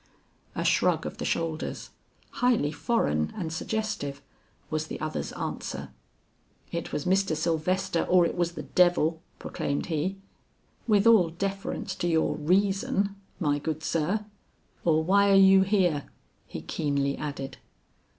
A shrug of the shoulders, highly foreign and suggestive, was the other's answer. "It was Mr. Sylvester or it was the devil," proclaimed he "with all deference to your reason, my good sir; or why are you here?" he keenly added.